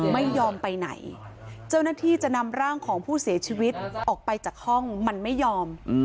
ไม่ยอมไปไหนเจ้าหน้าที่จะนำร่างของผู้เสียชีวิตออกไปจากห้องมันไม่ยอม